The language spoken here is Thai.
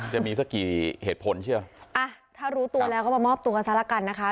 จะมีสักกี่เหตุผลเชื่ออ่ะถ้ารู้ตัวแล้วก็มามอบตัวซะละกันนะคะ